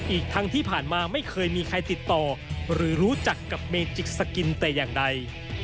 อีกทั้งที่ผ่านมาไม่เคยมีใครติดต่อหรือรู้จักกับเมจิกสกินแต่อย่างใด